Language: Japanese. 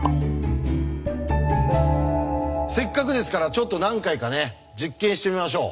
せっかくですからちょっと何回かね実験してみましょう。